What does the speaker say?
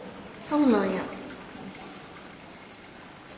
そうなんや。